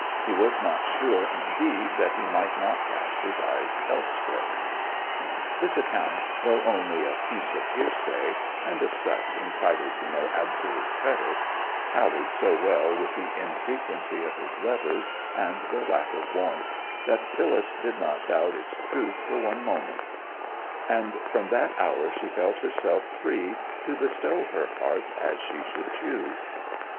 He was not sure, indeed, that he might not cast his eyes elsewhere. This account—though only a piece of hearsay, and as such entitled to no absolute credit—tallied so well with the infrequency of his letters and their lack of warmth, that Phyllis did not doubt its truth for one moment; and from that hour she felt herself free to bestow her heart as she should choose.